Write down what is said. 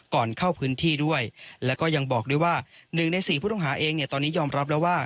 ก่อนเข้าพื้นที่ด้วยแล้วก็ยังบอกด้วยว่า๑ใน๔ผู้ต้องหาเองเนี่ยตอนนี้ยอมรับแล้วว่า